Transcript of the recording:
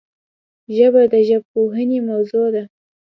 ژبه د ژبپوهنې موضوع ده